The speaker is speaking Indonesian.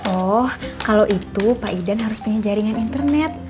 oh kalau itu pak idan harus punya jaringan internet